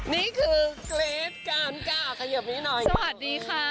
นี่คือเกรทกันจ้าเขยิบนี้หน่อยสวัสดีค่ะ